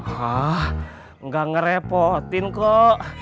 hah nggak ngerepotin kok